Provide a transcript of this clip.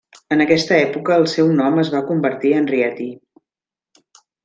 En aquesta època el seu nom es va convertir en Rieti.